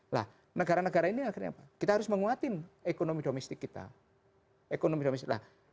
nah negara negara ini akhirnya apa kita harus menguatkan ekonomi domestik kita